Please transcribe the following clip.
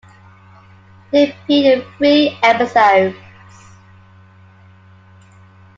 He appeared in three episodes.